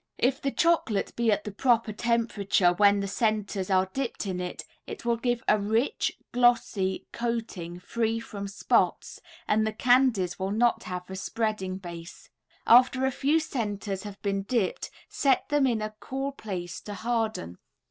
If the chocolate be at the proper temperature when the centers are dipped in it, it will give a rich, glossy coating free from spots, and the candies will not have a spreading base. After a few centers have been dipped set them in a cool place to harden.